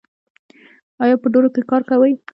ایا په دوړو کې کار کوئ؟